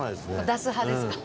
出す派ですか？